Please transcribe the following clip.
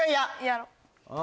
やろう。